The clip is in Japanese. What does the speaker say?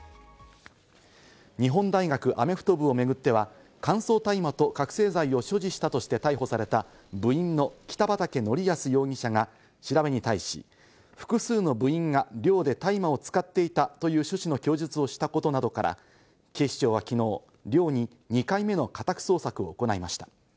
日本大学アメフト部を巡っては、乾燥大麻と覚せい剤を所持したとして逮捕された部員の北畠成文容疑者が調べに対し、複数の部員が寮で大麻を使っていたという趣旨の供述をしたことなどから、警視庁はきのう、寮に２回目の家宅捜索を行いました。